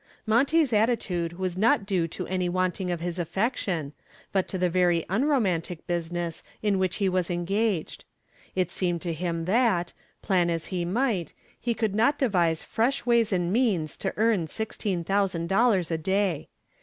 Monty's attitude was not due to any wanting of his affection, but to the very unromantic business in which he was engaged. It seemed to him that, plan as he might, he could not devise fresh ways and means to earn $16,000 a day.